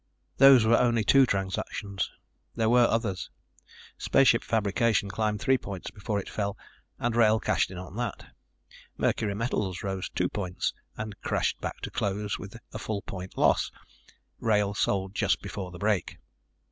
Those were only two transactions. There were others. Spaceship Fabrication climbed three points before it fell and Wrail cashed in on that. Mercury Metals rose two points and crashed back to close with a full point loss. Wrail sold just before the break.